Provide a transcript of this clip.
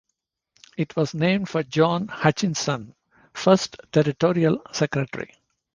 It was named for John Hutchinson, first territorial secretary.